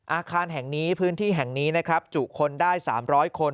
อาคารแห่งนี้พื้นที่แห่งนี้นะครับจุคนได้๓๐๐คน